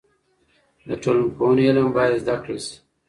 د ټولنپوهنې علم باید زده کړل سي.